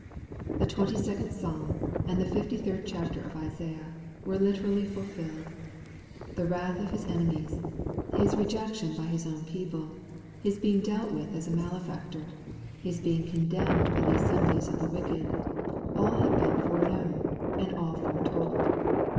The twenty second Psalm, and the fifty third chapter of Isaiah, were literally fulfilled. The wrath of His enemies His rejection by His own people His being dealt with as a malefactor His being condemned by the assembly of the wicked all had been foreknown, and all foretold.